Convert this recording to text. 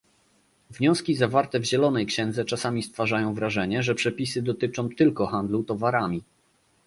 Wnioski zawarte w zielonej księdze czasami stwarzają wrażenie, że przepisy dotyczą tylko handlu towarami